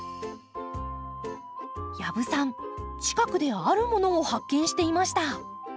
養父さん近くであるものを発見していました。